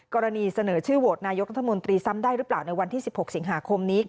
กรณีเสนอชื่อโหวตนายกรัฐมนตรีซ้ำได้หรือเปล่าในวันที่๑๖สิงหาคมนี้